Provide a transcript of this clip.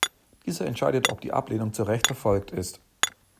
Dieser entscheidet, ob die Ablehnung zu Recht erfolgt ist.